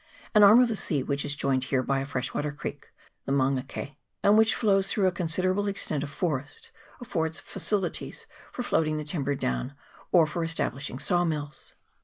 An arm of the sea, which is joined here by a fresh water creek, the Mangake, and which flows through a considerable extent of forest, affords faci lities for floating the timber down, or for establish ing saw mills.